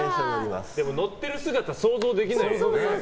乗ってる姿想像できないよね。